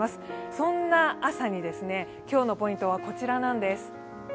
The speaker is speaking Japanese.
そんな朝に今日のポイントはこちらなんです。